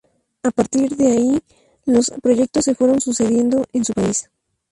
A partir de allí los proyectos se fueron sucediendo en su país.